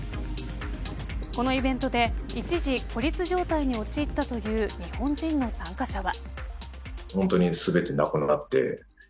このイベントで一時孤立状態に陥ったという日本人の参加者は。